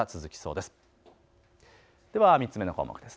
では３つ目の項目です。